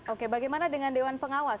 oke bagaimana dengan dewan pengawas